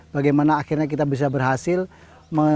bagaimana akhirnya kita bisa berhasil